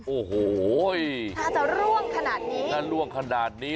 โอโหถ้าจะร่วงขนาดนี้